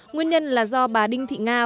nguyên nhân là do bà đinh thị nga